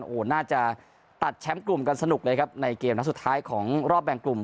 โอ้โหน่าจะตัดแชมป์กลุ่มกันสนุกเลยครับในเกมนัดสุดท้ายของรอบแบ่งกลุ่ม